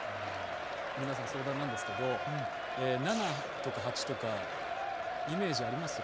皆さん相談なんですけど７とか８とかイメージあります？